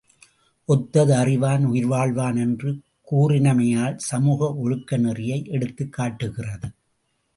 ஒத்தது அறிவான் உயிர்வாழ்வான் என்று கூறினமையால், சமூக ஒழுக்க நெறியை எடுத்துக்காட்டுகிறது.